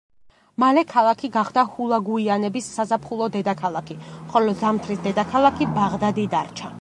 მალე ქალაქი გახდა ჰულაგუიანების საზაფხულო დედაქალაქი, ხოლო ზამთრის დედაქალაქი ბაღდადი დარჩა.